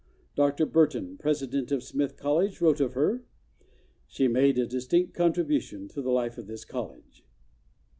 Dr. Burton, president of Smith College wrote of her: "She made a distinct contribution to the life of this college.